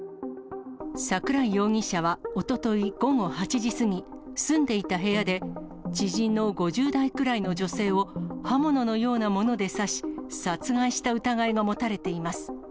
桜井容疑者はおととい午後８時過ぎ、住んでいた部屋で知人の５０代くらいの女性を刃物のようなもので刺し、殺害した疑いが持たれています。